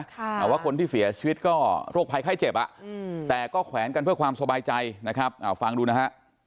แต่ว่าคนที่เสียชีวิตก็โรคภัยไข้เจ็บแต่ก็แขวนกันเพื่อความสบายใจนะครับฟังดูนะฮะ